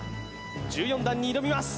１４段に挑みます